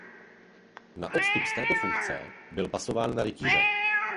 Na odstup z této funkce byl pasován na rytíře.